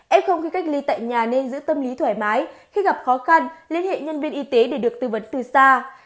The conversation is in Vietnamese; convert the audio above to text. f khi cách ly tại nhà nên giữ tâm lý thoải mái khi gặp khó khăn liên hệ nhân viên y tế để được tư vấn từ xa